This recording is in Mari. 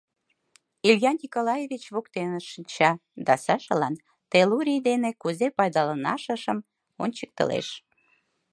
Илья Николаевич воктенышт шинча да Сашалан теллурий дене кузе пайдаланышашым ончыктылеш.